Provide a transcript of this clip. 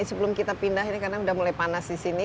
oke ini sebelum kita pindah ini karena sudah mulai panas disini